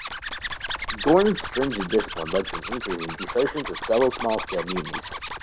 Gordon's stringent discipline led to an increase in desertions and several small scale mutinies.